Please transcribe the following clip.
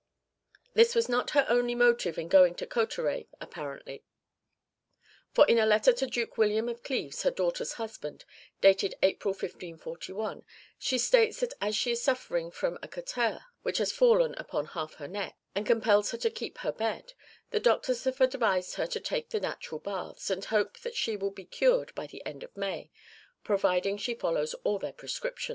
This was not her only motive in going to Cauterets apparently, for in a letter to Duke William of Cleves, her daughter's husband, dated April 1541, she states that as she is suffering from a caterre which "has fallen upon half her neck," and compels her to keep her bed, the doctors have advised her to take "the natural baths," and hope that she will be cured by the end of May, providing she follows all their prescriptions.